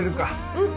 うん！